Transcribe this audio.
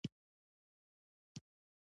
ایا شیدې جوشوئ؟